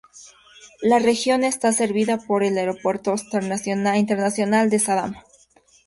La región está servida por el aeropuerto internacional de Saddam.